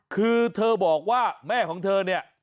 คือเธอบอกว่าแม่ของเธอเนี่ย